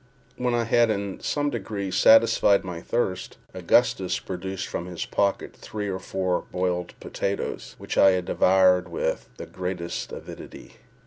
When I had in some degree satisfied my thirst, Augustus produced from his pocket three or four boiled potatoes, which I devoured with the greatest avidity.